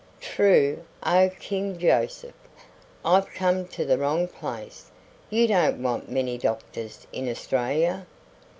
"True, O King Joseph! I've come to the wrong place; you don't want many doctors in Australia.